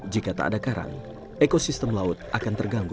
jika tak ada karang ekosistem laut akan terganggu